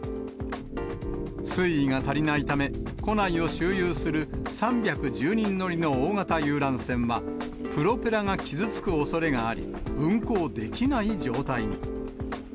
水位が足りないため、湖内を周遊する３１０人乗りの大型遊覧船は、プロペラが傷つくおそれがあり、運航できない状態に。